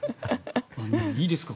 いいですか？